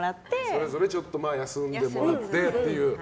それぞれ休んでもらってっていう。